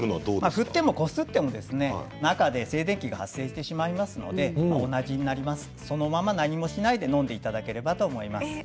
振ってもこすっても中で静電気が発生してしまいますので、同じになりますしそのまま何もしないでのんでいただければと思います。